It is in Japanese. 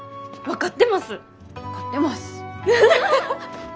分かってます。